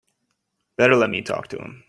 Better let me talk to him.